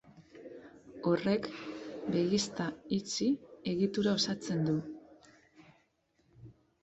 Horrek, begizta itxi egitura osatzen du.